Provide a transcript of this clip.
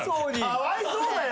かわいそうだよ！